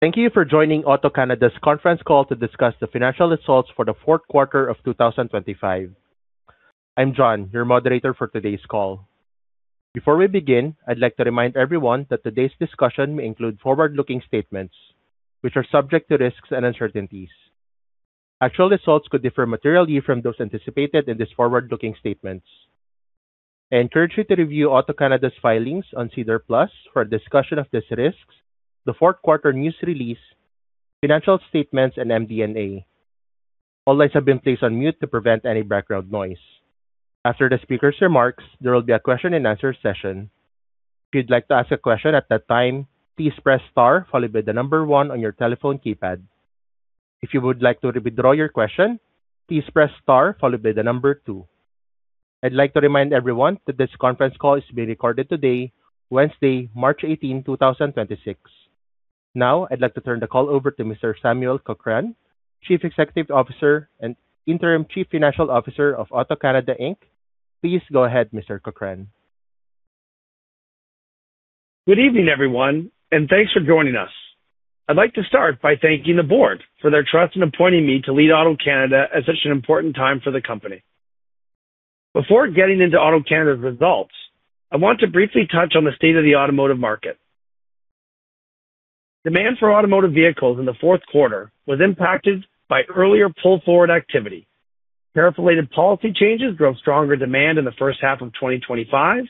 Thank you for joining AutoCanada's Conference Call to discuss the Financial Results for the Fourth Quarter of 2025. I'm John, your moderator for today's call. Before we begin, I'd like to remind everyone that today's discussion may include forward-looking statements which are subject to risks and uncertainties. Actual results could differ materially from those anticipated in these forward-looking statements. I encourage you to review AutoCanada's filings on SEDAR+ for a discussion of these risks, the fourth quarter news release, financial statements, and MD&A. All lines have been placed on mute to prevent any background noise. After the speakers' remarks, there will be a question and answer session. If you'd like to ask a question at that time, please press Star followed by the number one on your telephone keypad. If you would like to withdraw your question, please press Star followed by the number two. I'd like to remind everyone that this conference call is being recorded today, Wednesday, March 18th, 2026. Now, I'd like to turn the call over to Mr. Samuel Cochrane, Chief Executive Officer and Interim Chief Financial Officer of AutoCanada Inc. Please go ahead, Mr. Cochrane. Good evening, everyone, and thanks for joining us. I'd like to start by thanking the board for their trust in appointing me to lead AutoCanada at such an important time for the company. Before getting into AutoCanada's results, I want to briefly touch on the state of the automotive market. Demand for automotive vehicles in the fourth quarter was impacted by earlier pull-forward activity. Tariff-related policy changes drove stronger demand in the first half of 2025,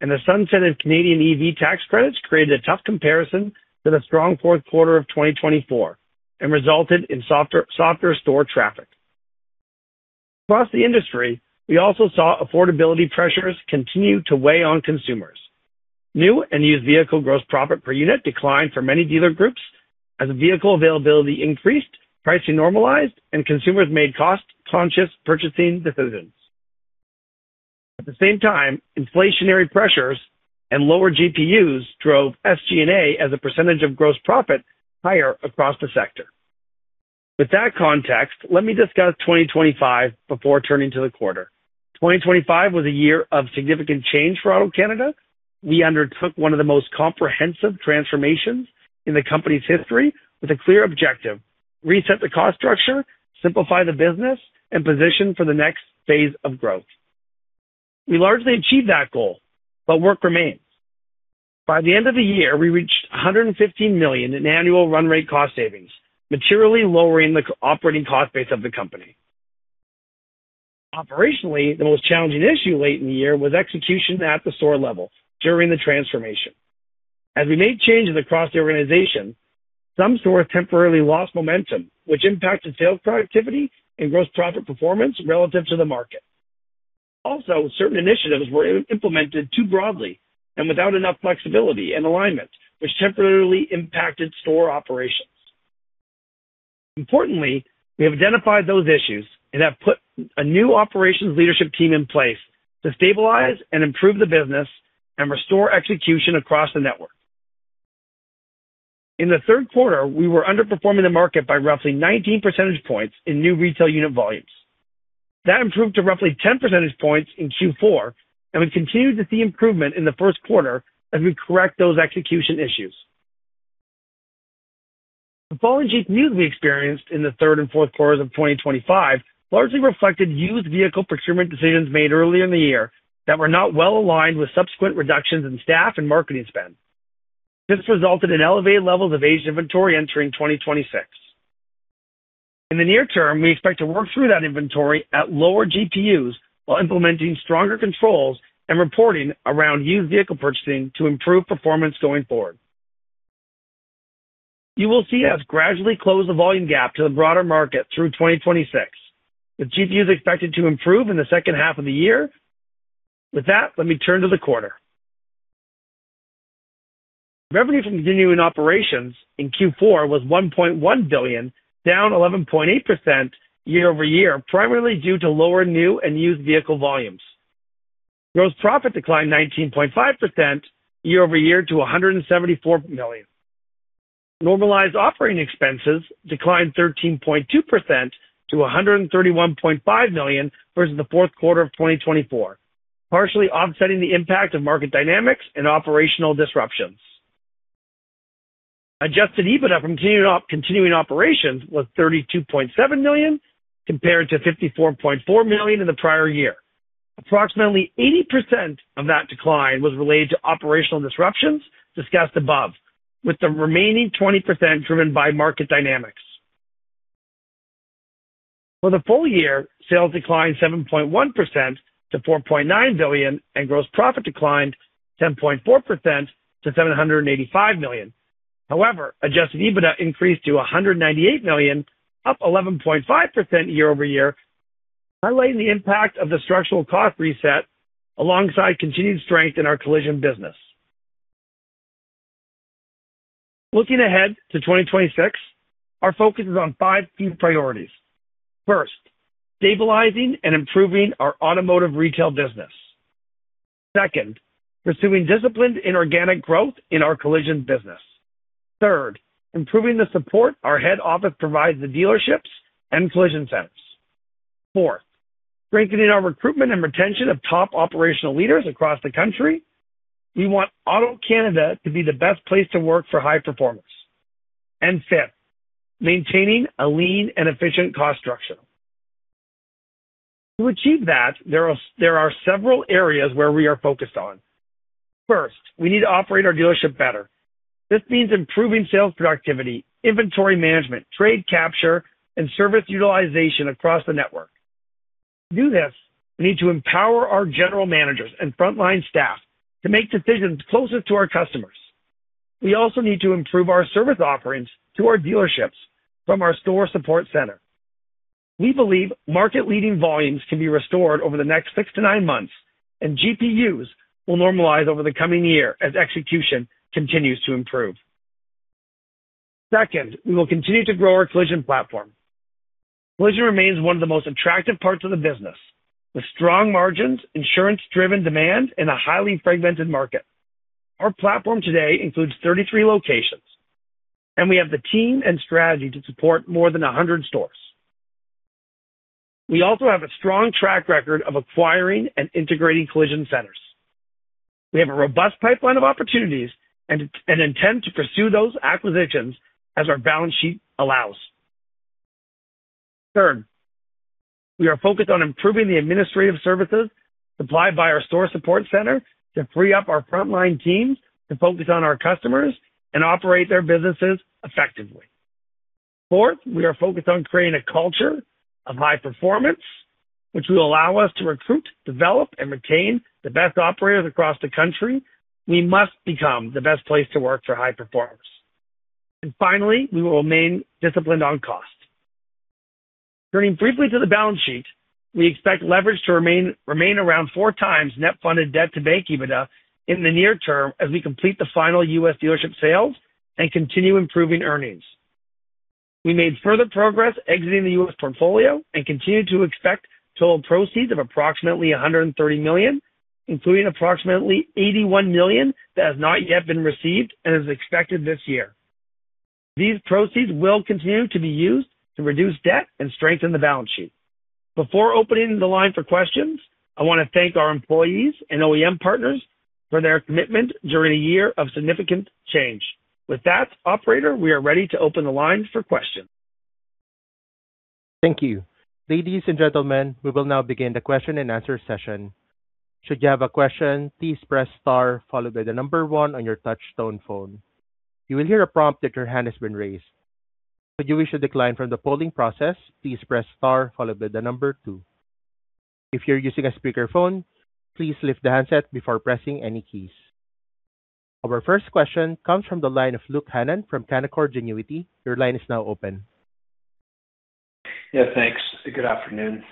and the sunset of Canadian EV tax credits created a tough comparison to the strong fourth quarter of 2024 and resulted in softer store traffic. Across the industry, we also saw affordability pressures continue to weigh on consumers. New and used vehicle gross profit per unit declined for many dealer groups as vehicle availability increased, pricing normalized, and consumers made cost-conscious purchasing decisions. At the same time, inflationary pressures and lower GPUs drove SG&A as a percentage of gross profit higher across the sector. With that context, let me discuss 2025 before turning to the quarter. 2025 was a year of significant change for AutoCanada. We undertook one of the most comprehensive transformations in the company's history with a clear objective, reset the cost structure, simplify the business, and position for the next phase of growth. We largely achieved that goal, but work remains. By the end of the year, we reached 115 million in annual run rate cost savings, materially lowering the operating cost base of the company. Operationally, the most challenging issue late in the year was execution at the store level during the transformation. As we made changes across the organization, some stores temporarily lost momentum, which impacted sales productivity and gross profit performance relative to the market. Also, certain initiatives were implemented too broadly and without enough flexibility and alignment, which temporarily impacted store operations. Importantly, we have identified those issues and have put a new operations leadership team in place to stabilize and improve the business and restore execution across the network. In the third quarter, we were underperforming the market by roughly 19 percentage points in new retail unit volumes. That improved to roughly 10 percentage points in Q4, and we continued to see improvement in the first quarter as we correct those execution issues. The following GP news we experienced in the third and fourth quarters of 2025 largely reflected used vehicle procurement decisions made earlier in the year that were not well aligned with subsequent reductions in staff and marketing spend. This resulted in elevated levels of aged inventory entering 2026. In the near term, we expect to work through that inventory at lower GPUs while implementing stronger controls and reporting around used vehicle purchasing to improve performance going forward. You will see us gradually close the volume gap to the broader market through 2026, with GPUs expected to improve in the second half of the year. With that, let me turn to the quarter. Revenue from continuing operations in Q4 was 1.1 billion, down 11.8% year-over-year, primarily due to lower new and used vehicle volumes. Gross profit declined 19.5% year-over-year to 174 million. Normalized operating expenses declined 13.2% to 131.5 million versus the fourth quarter of 2024, partially offsetting the impact of market dynamics and operational disruptions. Adjusted EBITDA from continuing operations was 32.7 million compared to 54.4 million in the prior year. Approximately 80% of that decline was related to operational disruptions discussed above, with the remaining 20% driven by market dynamics. For the full year, sales declined 7.1% to 4.9 billion, and gross profit declined 10.4% to 785 million. However, adjusted EBITDA increased to 198 million, up 11.5% year-over-year, highlighting the impact of the structural cost reset alongside continued strength in our collision business. Looking ahead to 2026, our focus is on five key priorities. First, stabilizing and improving our automotive retail business. Second, pursuing disciplined inorganic growth in our collision business. Third, improving the support our head office provides the dealerships and collision centers. Fourth, strengthening our recruitment and retention of top operational leaders across the country. We want AutoCanada to be the best place to work for high performers. Fifth, maintaining a lean and efficient cost structure. To achieve that, there are several areas where we are focused on. First, we need to operate our dealership better. This means improving sales productivity, inventory management, trade capture, and service utilization across the network. To do this, we need to empower our general managers and frontline staff to make decisions closest to our customers. We also need to improve our service offerings to our dealerships from our store support center. We believe market-leading volumes can be restored over the next six-nine months, and GPUs will normalize over the coming year as execution continues to improve. Second, we will continue to grow our collision platform. Collision remains one of the most attractive parts of the business, with strong margins, insurance-driven demand, and a highly fragmented market. Our platform today includes 33 locations, and we have the team and strategy to support more than 100 stores. We also have a strong track record of acquiring and integrating collision centers. We have a robust pipeline of opportunities and intend to pursue those acquisitions as our balance sheet allows. Third, we are focused on improving the administrative services supplied by our store support center to free up our frontline teams to focus on our customers and operate their businesses effectively. Fourth, we are focused on creating a culture of high performance, which will allow us to recruit, develop, and retain the best operators across the country. We must become the best place to work for high performers. Finally, we will remain disciplined on cost. Turning briefly to the balance sheet, we expect leverage to remain around 4x net funded debt to bank EBITDA in the near term as we complete the final U.S. dealership sales and continue improving earnings. We made further progress exiting the U.S. portfolio and continue to expect total proceeds of approximately 130 million, including approximately 81 million that has not yet been received and is expected this year. These proceeds will continue to be used to reduce debt and strengthen the balance sheet. Before opening the line for questions, I wanna thank our employees and OEM partners for their commitment during a year of significant change. With that, operator, we are ready to open the line for questions. Thank you. Ladies and gentlemen, we will now begin the question-and-answer session. Should you have a question, please press star followed by the number one on your touch tone phone. You will hear a prompt that your hand has been raised. Should you wish to decline from the polling process, please press star followed by the number two. If you're using a speakerphone, please lift the handset before pressing any keys. Our first question comes from the line of Luke Hannan from Canaccord Genuity. Your line is now open. Yeah, thanks. Good afternoon.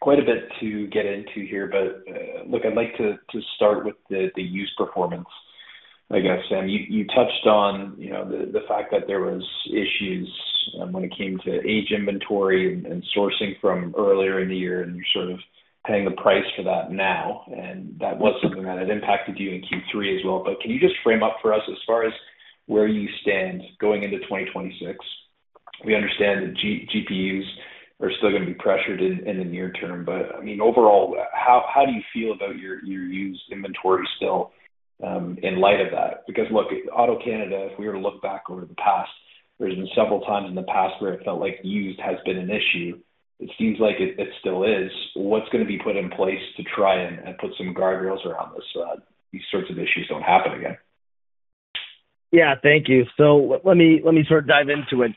Quite a bit to get into here, but look, I'd like to start with the used performance, I guess. You touched on, you know, the fact that there was issues when it came to aged inventory and sourcing from earlier in the year, and you're sort of paying the price for that now, and that was something that had impacted you in Q3 as well. Can you just frame up for us as far as where you stand going into 2026? We understand that GPUs are still gonna be pressured in the near term. I mean, overall, how do you feel about your used inventory still in light of that? Because look, AutoCanada if we were to look back over the past, there's been several times in the past where it felt like used has been an issue. It seems like it still is. What's gonna be put in place to try and put some guardrails around this, these sorts of issues don't happen again. Yeah, thank you. Let me sort of dive into it.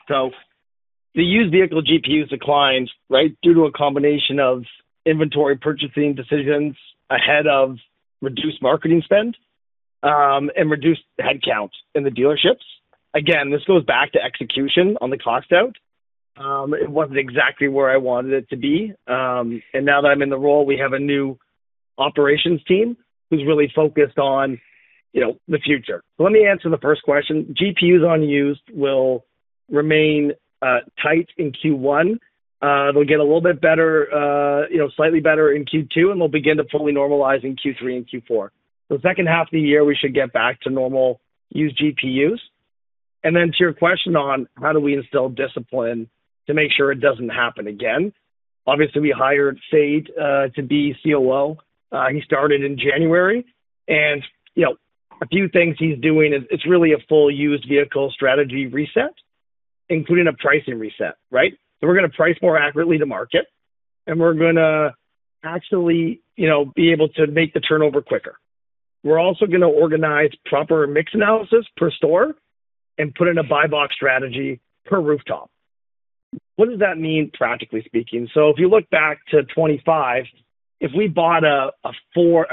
The used vehicle GPU declined, right, due to a combination of inventory purchasing decisions ahead of reduced marketing spend, and reduced headcount in the dealerships. Again, this goes back to execution on the cost out. It wasn't exactly where I wanted it to be. Now that I'm in the role, we have a new operations team who's really focused on, you know, the future. Let me answer the first question. GPUs on used will remain tight in Q1. They'll get a little bit better, you know, slightly better in Q2, and they'll begin to fully normalize in Q3 and Q4. The second half of the year, we should get back to normal used GPUs. To your question on how do we instill discipline to make sure it doesn't happen again? Obviously, we hired Feld to be COO. He started in January and, you know, a few things he's doing is it's really a full used vehicle strategy reset, including a pricing reset, right? We're gonna price more accurately to market, and we're gonna actually, you know, be able to make the turnover quicker. We're also gonna organize proper mix analysis per store and put in a buy box strategy per rooftop. What does that mean practically speaking? If you look back to 2025, if we bought a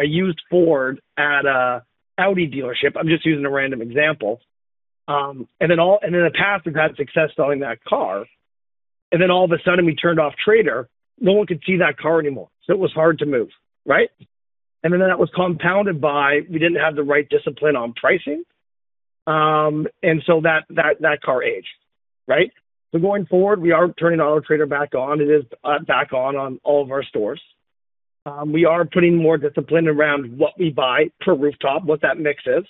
used Ford at a Audi dealership, I'm just using a random example, and then all-- In the past, we've had success selling that car, and then all of a sudden we turned off AutoTrader, no one could see that car anymore, so it was hard to move, right? Then that was compounded by we didn't have the right discipline on pricing, and so that car aged, right? Going forward, we are turning AutoTrader back on. It is back on all of our stores. We are putting more discipline around what we buy per rooftop, what that mix is.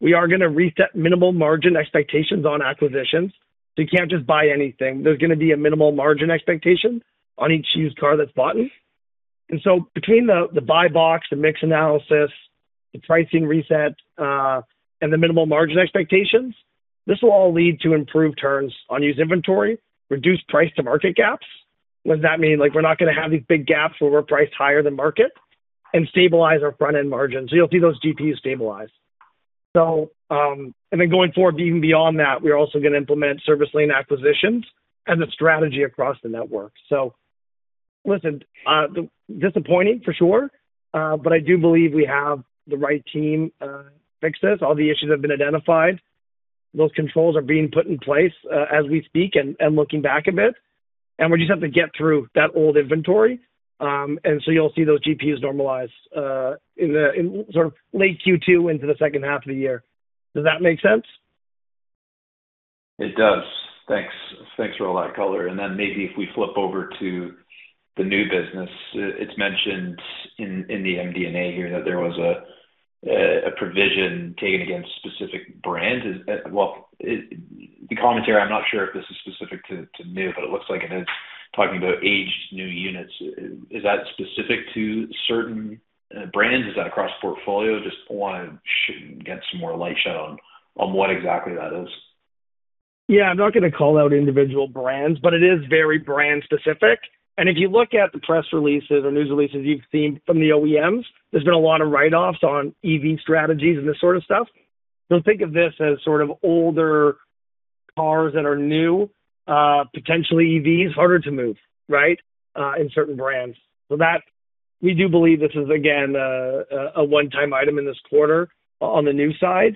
We are gonna reset minimal margin expectations on acquisitions. You can't just buy anything. There's gonna be a minimal margin expectation on each used car that's bought in. Between the buy box, the mix analysis, the pricing reset, and the minimal margin expectations, this will all lead to improved turns on used inventory, reduce price to market gaps. What does that mean? Like, we're not gonna have these big gaps where we're priced higher than market and stabilize our front-end margin. You'll see those GPUs stabilize. Going forward, even beyond that, we are also gonna implement service lane acquisitions and the strategy across the network. Listen, disappointing for sure, but I do believe we have the right team to fix this. All the issues have been identified. Those controls are being put in place as we speak and looking back a bit. We just have to get through that old inventory. You'll see those GPUs normalize in the-- In sort of late Q2 into the second half of the year. Does that make sense? It does. Thanks. Thanks for all that color. Then maybe if we flip over to the new business, it's mentioned in the MD&A here that there was a provision taken against specific brands. Is that? Well, the commentary, I'm not sure if this is specific to new, but it looks like it is talking about aged new units. Is that specific to certain brands? Is that across portfolio? Just wanna get some more light shed on what exactly that is. Yeah. I'm not gonna call out individual brands, but it is very brand specific. If you look at the press releases or news releases you've seen from the OEMs, there's been a lot of write-offs on EV strategies and this sort of stuff. Think of this as sort of older cars that are new, potentially EVs, harder to move, in certain brands. That. We do believe this is again, a one-time item in this quarter on the new side.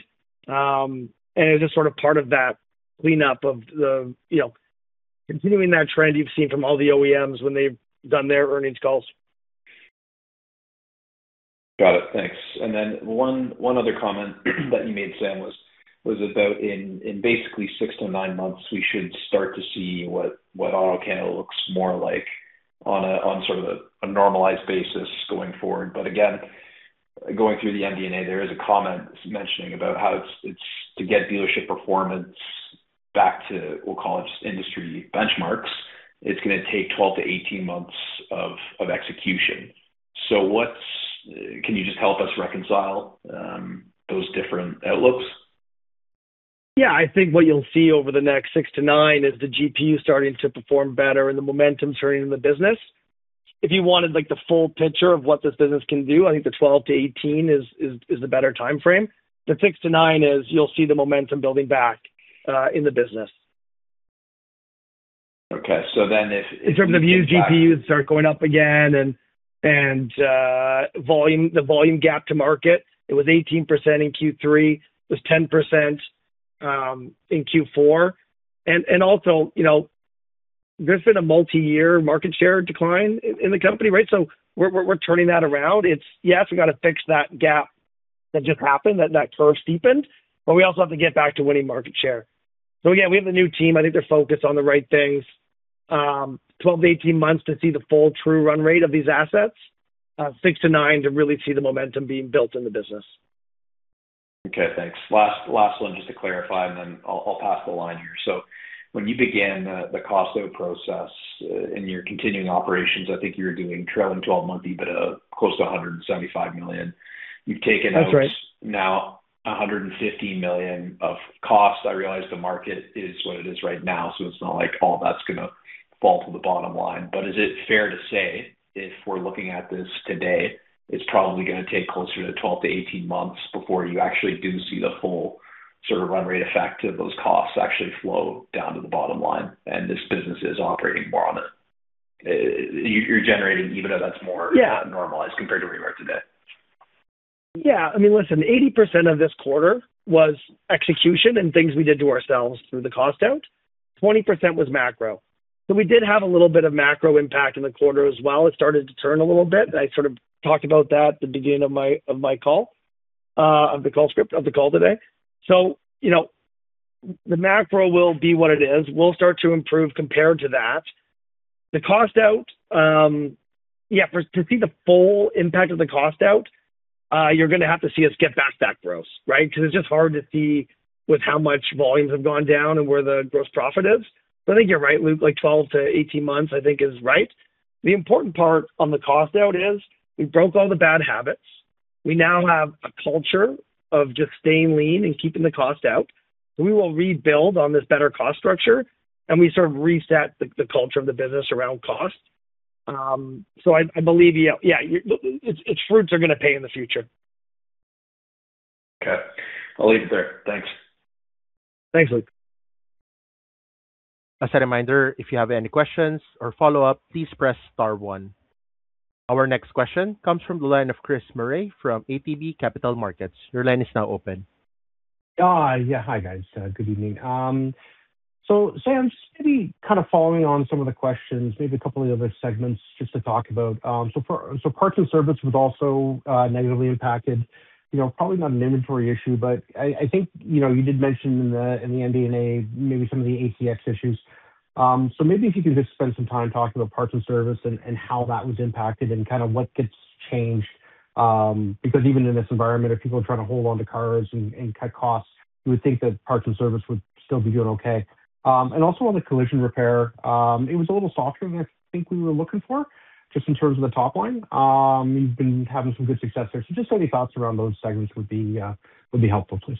It's just sort of part of that cleanup of the, you know, continuing that trend you've seen from all the OEMs when they've done their earnings calls. Got it. Thanks. One other comment that you made, Sam, was about in basically six-nine months, we should start to see what AutoCanada looks more like on a sort of normalized basis going forward. Again, going through the MD&A, there is a comment mentioning about how it's to get dealership performance back to, we'll call it just industry benchmarks. It's gonna take 12-18 months of execution. Can you just help us reconcile those different outlooks? Yeah. I think what you'll see over the next six-nine is the GPU starting to perform better and the momentum turning in the business. If you wanted, like, the full picture of what this business can do, I think the 12-18 is the better timeframe. The six-nine is you'll see the momentum building back in the business. Okay. In terms of used GPUs start going up again and volume, the volume gap to market, it was 18% in Q3, it was 10% in Q4. Also, you know, there's been a multi-year market share decline in the company, right? We're turning that around. It's, yes, we gotta fix that gap that just happened, that curve steepened, but we also have to get back to winning market share. Again, we have a new team. I think they're focused on the right things. 12-18 months to see the full true run rate of these assets. six-nine to really see the momentum being built in the business. Okay, thanks. Last one just to clarify, and then I'll pass the line here. When you began the cost out process in your continuing operations, I think you were doing trailing 12 monthly, but close to 175 million. You've taken out. That's right. Now 115 million of costs. I realize the market is what it is right now, so it's not like all that's gonna fall to the bottom line. Is it fair to say if we're looking at this today, it's probably gonna take closer to 12-18 months before you actually do see the full sort of run rate effect of those costs actually flow down to the bottom line, and this business is operating more on a. You're generating even though that's more normalized compared to where you are today. Yeah. I mean, listen, 80% of this quarter was execution and things we did to ourselves through the cost out. 20% was macro. We did have a little bit of macro impact in the quarter as well. It started to turn a little bit, and I sort of talked about that at the beginning of my call today. You know, the macro will be what it is. We'll start to improve compared to that. The cost out, yeah, to see the full impact of the cost out, you're gonna have to see us get back that gross, right? 'Cause it's just hard to see with how much volumes have gone down and where the gross profit is. I think you're right, Luke. Like, 12-18 months, I think is right. The important part on the cost out is we broke all the bad habits. We now have a culture of just staying lean and keeping the cost out. We will rebuild on this better cost structure, and we sort of reset the culture of the business around cost. I believe you. Yeah, its fruits are gonna pay in the future. Okay. I'll leave it there. Thanks. Thanks, Luke. As a reminder, if you have any questions or follow-up, please press star one. Our next question comes from the line of Chris Murray from ATB Capital Markets. Your line is now open. Yeah. Hi, guys. Good evening. Sam, just maybe kind of following on some of the questions, maybe a couple of other segments just to talk about. Parts and service was also negatively impacted. You know, probably not an inventory issue, but I think, you know, you did mention in the MD&A maybe some of the ACX issues. Maybe if you could just spend some time talking about parts and service and how that was impacted and kind of what gets changed. Because even in this environment, if people are trying to hold on to cars and cut costs, you would think that parts and service would still be doing okay. Also, on the collision repair, it was a little softer than I think we were looking for, just in terms of the top line. You've been having some good success there, so just any thoughts around those segments would be helpful, please.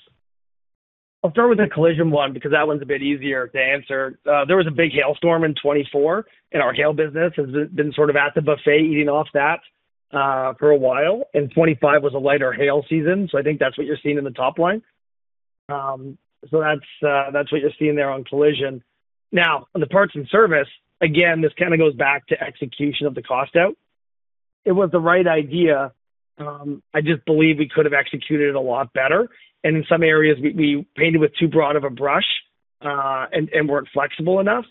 I'll start with the collision one, because that one's a bit easier to answer. There was a big hail storm in 2024, and our hail business has been sort of at the buffet eating off that, for a while. 2025 was a lighter hail season. I think that's what you're seeing in the top line. That's what you're seeing there on collision. Now, on the parts and service, again, this kind of goes back to execution of the cost out. It was the right idea, I just believe we could have executed it a lot better. In some areas we painted with too broad of a brush, and weren't flexible enough.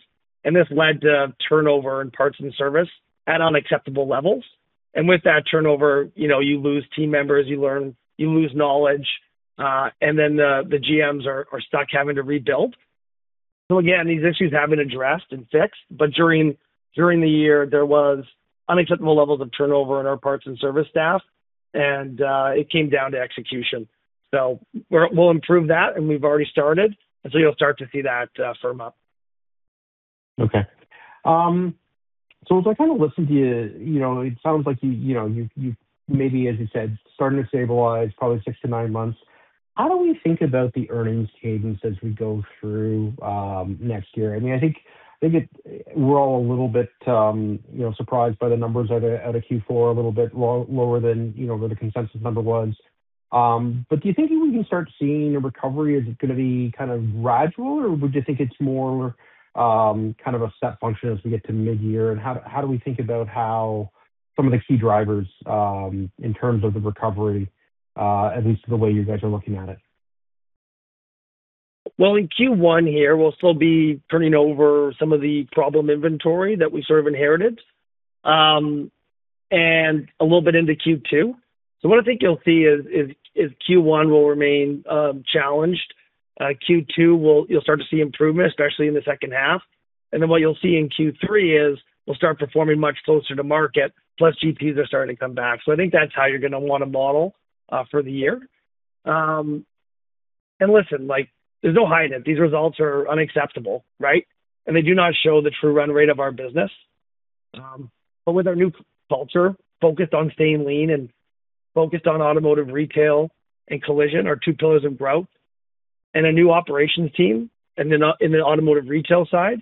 This led to turnover in parts and service at unacceptable levels. With that turnover, you know, you lose team members, you learn. You lose knowledge. The GMs are stuck having to rebuild. Again, these issues have been addressed and fixed. During the year, there was unacceptable levels of turnover in our parts and service staff, and it came down to execution. We'll improve that, and we've already started. You'll start to see that firm up. Okay. As I kind of listen to you know, it sounds like you know, you've maybe, as you said, starting to stabilize probably six-nine months. How do we think about the earnings cadence as we go through next year? I mean, I think we're all a little bit, you know, surprised by the numbers out of Q4, a little bit lower than, you know, where the consensus number was. Do you think we can start seeing a recovery? Is it gonna be kind of gradual or would you think it's more kind of a step function as we get to midyear? How do we think about how some of the key drivers in terms of the recovery, at least the way you guys are looking at it? Well, in Q1 here, we'll still be turning over some of the problem inventory that we sort of inherited. A little bit into Q2. What I think you'll see is Q1 will remain challenged. You'll start to see improvement, especially in the second half. Then what you'll see in Q3 is we'll start performing much closer to market, plus GPUs are starting to come back. I think that's how you're gonna wanna model for the year. Listen, like, there's no hiding it. These results are unacceptable, right? They do not show the true run rate of our business. With our new culture focused on staying lean and focused on automotive retail and collision, our two pillars of growth, and a new operations team in the automotive retail side,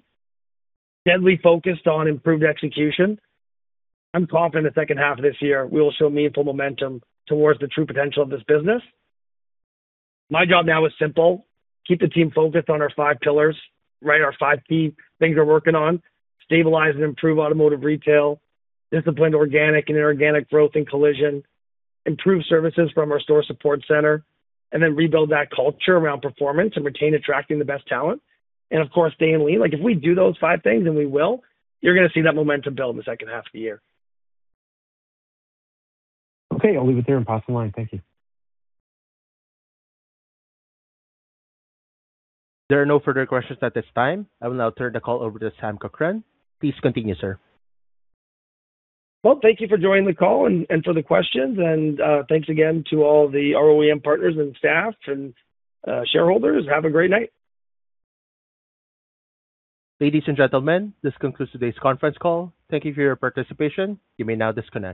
deeply focused on improved execution, I'm confident the second half of this year we will show meaningful momentum towards the true potential of this business. My job now is simple. Keep the team focused on our five pillars, right? Our five key things we're working on. Stabilize and improve automotive retail, disciplined organic and inorganic growth and collision, improve services from our store support center, and then rebuild that culture around performance and retaining and attracting the best talent. Of course, staying lean. Like, if we do those five things, and we will, you're gonna see that momentum build in the second half of the year. Okay, I'll leave it there and pass the line. Thank you. There are no further questions at this time. I will now turn the call over to Sam Cochrane. Please continue, sir. Well, thank you for joining the call and for the questions. Thanks again to all the OEM partners and staff and shareholders. Have a great night. Ladies and gentlemen, this concludes today's conference call. Thank you for your participation. You may now disconnect.